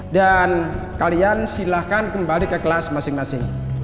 dan kalian silahkan kembali ke kelas masing masing